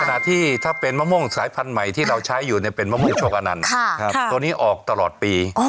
ขณะที่ถ้าเป็นมะม่วงสายพันธุ์ใหม่ที่เราใช้อยู่เป็นมะม่วงโชคอนันตัวนี้ออกตลอดปี